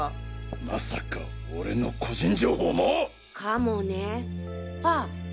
まさか俺の個人情報も！？かもね。